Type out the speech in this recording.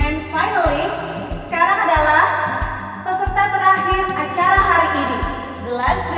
and finally sekarang adalah peserta terakhir acara hari ini